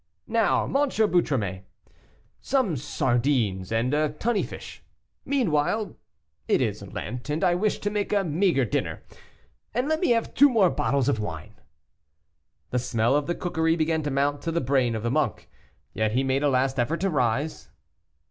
"Now, M. Boutromet, some sardines and a tunny fish, meanwhile; it is Lent, and I wish to make a maigre dinner. And let me have two more bottles of wine." The smell of the cookery began to mount to the brain of the monk. Yet he made a last effort to rise.